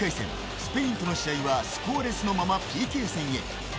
スペインとの試合はスコアレスのままＰＫ戦へ。